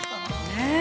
◆ねえ。